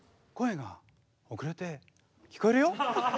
声が遅れて聞こえるよ。